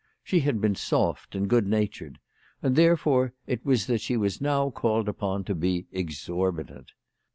She had been soft and good natured, and therefore it was that she was now called upon to be exorbitant.